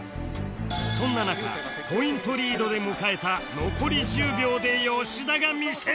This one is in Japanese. そんな中ポイントリードで迎えた残り１０秒で吉田が魅せる！